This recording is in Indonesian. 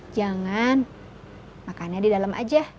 jangan makannya di dalam aja